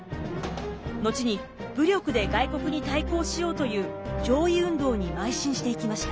後に武力で外国に対抗しようという攘夷運動にまい進していきました。